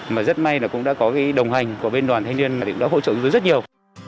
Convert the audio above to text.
mà rất may là cũng đã có cái đồng hành của bên đoàn thanh niên mà cũng đã hỗ trợ chúng tôi rất nhiều